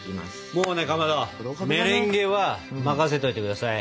もうねかまどメレンゲは任せといて下さい。